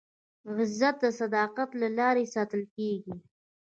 عزت د صداقت له لارې ساتل کېږي.